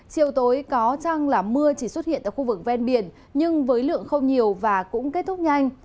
chiều tối có chăng là mưa chỉ xuất hiện tại khu vực ven biển nhưng với lượng không nhiều và cũng kết thúc nhanh